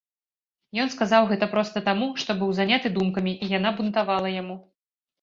Ён сказаў гэта проста таму, што быў заняты думкамі і яна бунтавала яму.